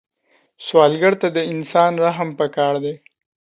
سوالګر ته د انسان رحم پکار دی